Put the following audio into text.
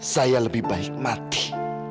saya lebih baik mati